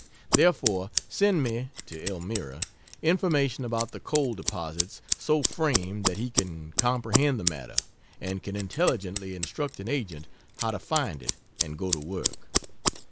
Therefore, send me (to Elmira,) information about the coal deposits so framed that he can comprehend the matter and can intelligently instruct an agent how to find it and go to work.